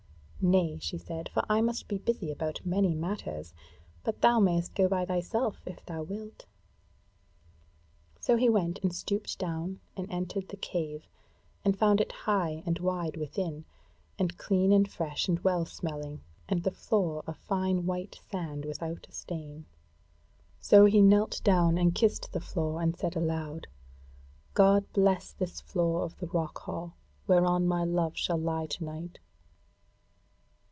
"Nay," she said, "for I must be busy about many matters; but thou mayst go by thyself, if thou wilt." So he went and stooped down and entered the cave, and found it high and wide within, and clean and fresh and well smelling, and the floor of fine white sand without a stain. So he knelt down and kissed the floor, and said aloud: "God bless this floor of the rock hall whereon my love shall lie to night!"